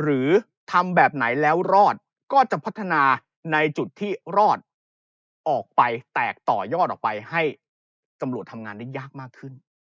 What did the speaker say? หรือทำแบบไหนแล้วรอดก็จะพัฒนาในจุดที่รอดและออกไปแตกต่อยอดออกไปให้เจ้าหน้าที่ตำรวจทำงานได้ยากมากขึ้น